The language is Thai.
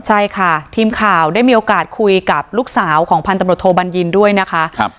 ใช่ค่ะทีมข่าวได้มีโอกาสคุยกับลูกสาวของพันตำรวจโทบัญญินด้วยนะคะ